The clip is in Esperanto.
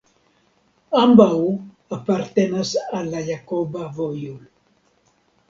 Ambaŭ apartenas al la Jakoba Vojo.